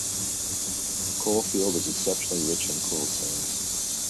The coalfield is exceptionally rich in coal seams.